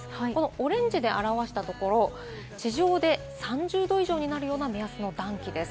オレンジで表したところ、地上で３０度以上になるような目安の暖気です。